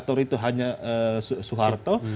atau itu hanya suharto